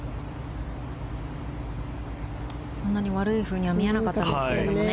そんなに悪いふうには見えなかったんですけどね。